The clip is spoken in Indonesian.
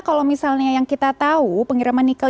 kalau misalnya yang kita tahu pengiriman nikel